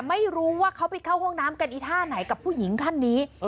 ไม่รู้ว่าเขาไปเข้าห้องน้ำกันอีท่าไหนกับผู้หญิงท่านนี้